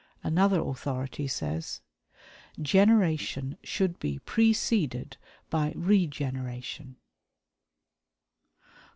Another authority says: "Generation should be preceded by regeneration."